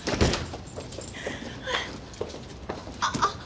あっ！